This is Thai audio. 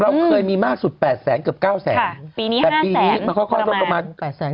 เราเคยมีมากสุด๘แสนเกือบ๙แสนค่ะปีนี้๕แสนประมาณ๘แสนเกือบล้าน